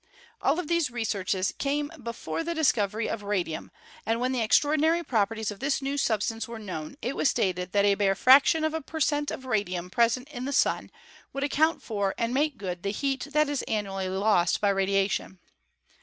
All of these researches came before the discovery of Ii8 ASTRONOMY radium, and when the extraordinary properties of this new substance were known it was stated that a bare frac tion of a per cent, of radium present in the Sun would account for and make good the heat that is annually lost by radiation.